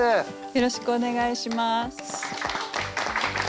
よろしくお願いします。